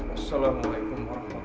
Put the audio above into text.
assalamualaikum warahmatullahi wabarakatuh